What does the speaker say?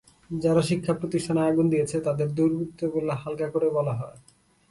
যারা শিক্ষাপ্রতিষ্ঠানে আগুন দিয়েছে, তাদের দুর্বৃত্ত বললে হালকা করে বলা হয়।